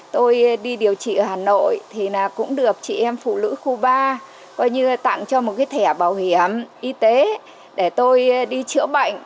tôi đi điều trị ở hà nội cũng được chị em phụ nữ khu ba tặng cho một thẻ bảo hiểm y tế để tôi đi chữa bệnh